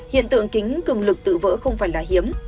hiện tượng kính cường lực tự vỡ không phải là hiếm